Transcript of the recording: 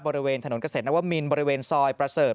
บริเวณถนนเกษตรนวมินบริเวณซอยประเสริฐ